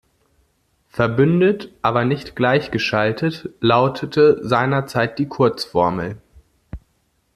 Verbündet, aber nicht gleichgeschaltet, lautete seinerzeit die Kurzformel.